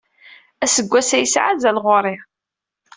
Aseggas-a yesɛa azal ɣer-i.